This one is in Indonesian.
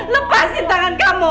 lepasin tangan kamu